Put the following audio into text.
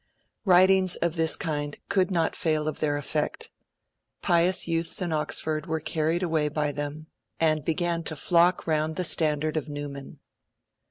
Writings of this kind could not fail in their effect. Pious youths in Oxford were carried away by them, and began to flock around the standard of Newman.